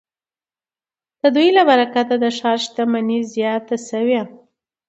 د دوی له برکته د ښار شتمني زیاته شوې.